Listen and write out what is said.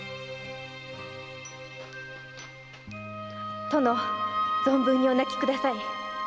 〔殿存分にお泣きください〕